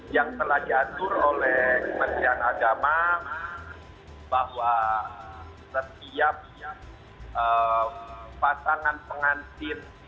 yang telah diatur oleh kementerian agama bahwa setiap pasangan pengantin